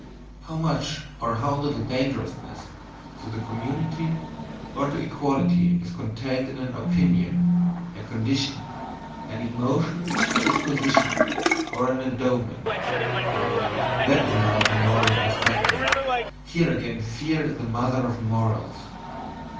How much or how little dangerousness to the community or to equality is contained in an opinion, a condition, an emotion, a disposition, or an endowment that is now the moral perspective, here again fear is the mother of morals.